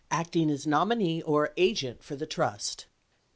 acting as nominee or agent for the Trust.